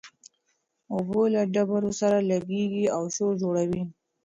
اوبه له ډبرو سره لګېږي او شور جوړوي.